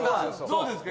どうですか？